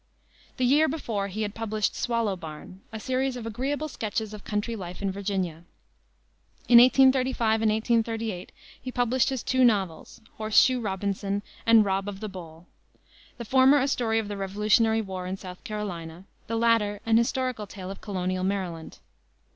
The year before he had published Swallow Barn, a series of agreeable sketches of country life in Virginia. In 1835 and 1838 he published his two novels, Horse Shoe Robinson and Rob of the Bowl, the former a story of the Revolutionary War in South Carolina; the latter an historical tale of colonial Maryland.